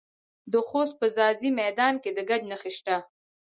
د خوست په ځاځي میدان کې د ګچ نښې شته.